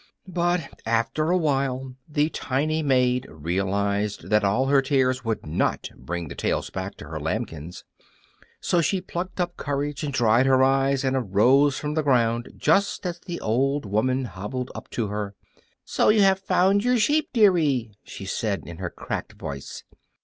But after awhile the tiny maid realized that all her tears would not bring back the tails to her lambkins; so she plucked up courage and dried her eyes and arose from the ground just as the old woman hobbled up to her. "So you have found your sheep, dearie," she said, in her cracked voice.